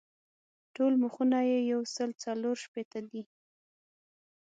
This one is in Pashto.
ټول مخونه یې یو سل څلور شپېته دي.